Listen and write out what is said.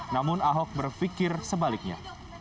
namun ahok berpikir sebaliknya